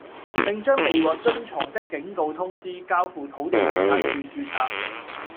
並將未獲遵從的警告通知交付土地註冊處註冊